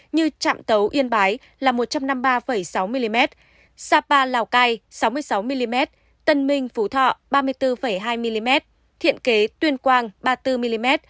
như trạm tấu yên bái là một trăm năm mươi ba sáu mm sapa lào cai sáu mươi sáu mm tân minh phú thọ ba mươi bốn hai mm thiện kế tuyên quang ba mươi bốn mm